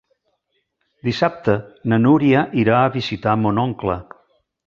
Dissabte na Núria irà a visitar mon oncle.